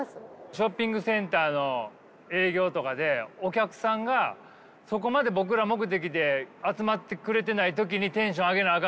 ショッピングセンターの営業とかでお客さんがそこまで僕ら目的で集まってくれてない時にテンション上げなあ